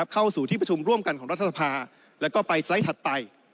เข้าสู่ที่ประชุมร่วมกันของรัฐสภาแล้วก็ไปไซส์ถัดไป